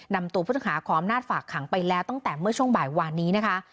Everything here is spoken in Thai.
นำตัวผู้ต้องหาขออำนาจฝากขังไปแล้วตั้งแต่เมื่อช่วงบ่ายวานนี้นะคะ